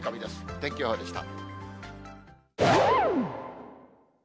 天気予報でした。